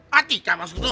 hati kak masuk tuh